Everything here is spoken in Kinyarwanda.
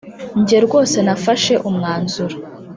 nge rwose nafashe umwanzuro ..."